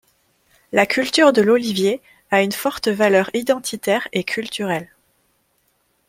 La culture de l’olivier a une forte valeur identitaire et culturelle.